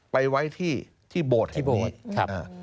ไปไว้ที่โบสถ์แห่งนี้